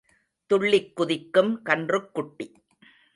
துள்ளிக் குதிக்கும் கன்றுக் குட்டி.